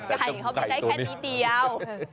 ได้แค่นี้เดียว